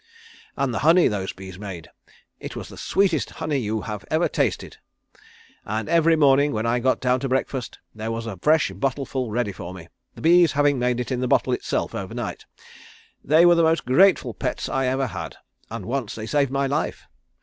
"And the honey those bees made! It was the sweetest honey you ever tasted, and every morning when I got down to breakfast there was a fresh bottleful ready for me, the bees having made it in the bottle itself over night. They were the most grateful pets I ever had, and once they saved my life.